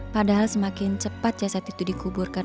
padahal semakin cepat jasad itu dikuburkan